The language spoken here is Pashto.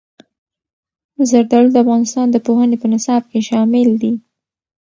زردالو د افغانستان د پوهنې په نصاب کې شامل دي.